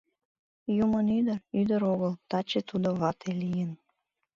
Юмын ӱдыр — ӱдыр огыл: таче тудо вате лийын...